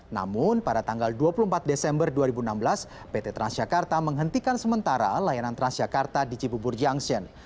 namun pada tanggal dua puluh empat desember dua ribu enam belas pt transjakarta menghentikan sementara layanan transjakarta di cibubur junction